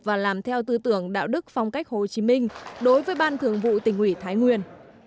và làm theo tư tưởng đạo đức phong cách hồ chí minh đối với ban thường vụ tỉnh ủy thái nguyên